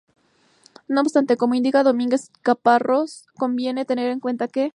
No obstante, como indica Domínguez Caparrós, conviene tener en cuenta que